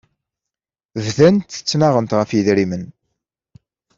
Bdant ttnaɣent ɣef yidrimen.